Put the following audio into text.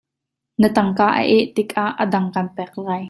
Na tangka a eh tik ah adang kan pek lai.